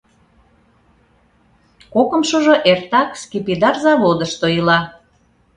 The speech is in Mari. Кокымшыжо эртак скипидар заводышто ила.